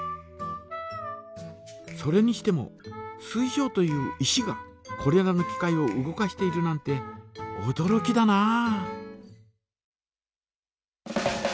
それにしても水晶という石がこれらの機械を動かしているなんておどろきだなあ。